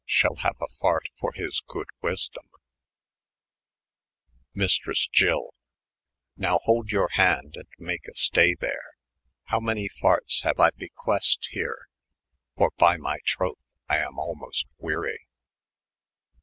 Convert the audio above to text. Shall haue a fart for his good wesdom.' 209 Jfa^fifres' lyll, \" Now hold your hand, and make a stay there. '. Howe many fartea haue I bequest here F For by my trouth I am almost wery."